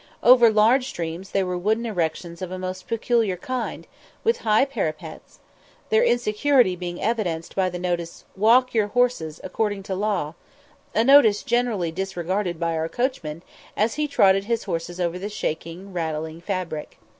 Over large streams they were wooden erections of a most peculiar kind, with high parapets; their insecurity being evidenced by the notice, "Walk your horses, according to law," a notice generally disregarded by our coachman, as he trotted his horses over the shaking and rattling fabric.